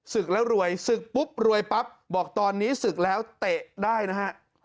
ศึกแล้วรวยศึกปุ๊บรวยปั๊บบอกตอนนี้ศึกแล้วเตะได้นะฮะ